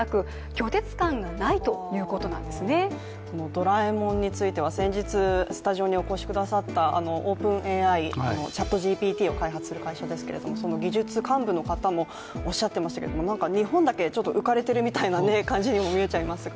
ドラえもんについては先日、スタジオにお越しくださったＯｐｅｎＡＩ、ＣｈａｔＧＰＴを開発する会社ですけどその技術幹部の方もおっしゃていましたけれどもなんか日本だけ浮かれているみたいな感じにも見えちゃいますが。